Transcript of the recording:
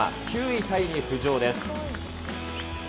９位タイに浮上です。